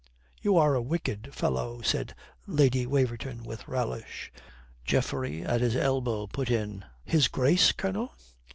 "You are a wicked fellow," said Lady Waverton with relish. Geoffrey at his elbow put in, "'His Grace,' Colonel?"